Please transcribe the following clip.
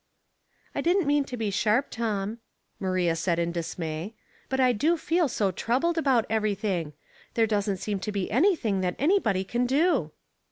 " I didn't mean to be sharp, Tom," Maria said in dismay. " But I do feel so troubled about everything. There doesn't seem to be anything that anybody can do."